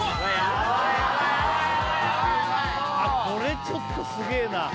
これちょっとすげぇな。